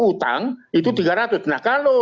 utang itu tiga ratus nah kalau